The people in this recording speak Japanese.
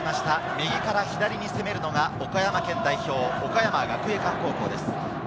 右から左に攻めるのが岡山県代表・岡山学芸館高校です。